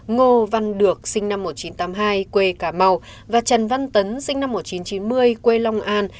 ngô văn được sinh năm một nghìn chín trăm tám mươi hai quê cà mau và trần văn tấn sinh năm một nghìn chín trăm chín mươi quê long an